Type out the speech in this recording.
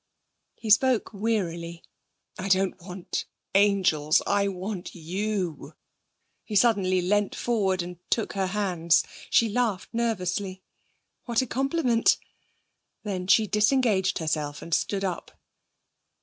He spoke wearily. 'I don't want angels! I want you!' He suddenly leant forward and took her hands. She laughed nervously. 'What a compliment.' Then she disengaged herself and stood up.